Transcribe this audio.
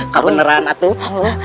kamu bisa meneraninya